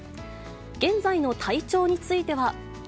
現在の体調については。